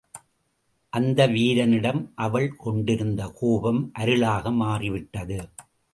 அந்த வீரனிடம் அவள் கொண்டிருந்த கோபம் அருளாக மாறிவிட்டது.